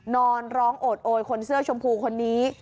นอนร้องโอดโอยคนเสื้อชมพูคนนี้